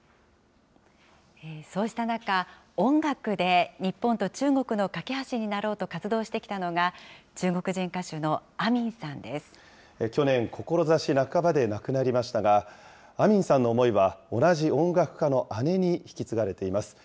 そうした中、音楽で日本と中国の懸け橋になろうと活動してきたのが、去年、志半ばで亡くなりましたが、アミンさんの思いは同じ音楽家の姉に引き継がれています。